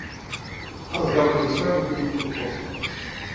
– А разговаривать с вами будем мы после.